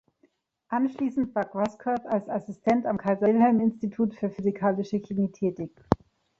Anschließend war Groscurth als Assistent am Kaiser-Wilhelm-Institut für Physikalische Chemie tätig.